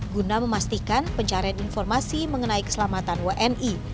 guna memastikan pencarian informasi mengenai keselamatan wni